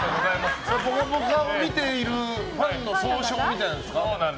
「ぽかぽか」を見ているファンの総称みたいなものですか。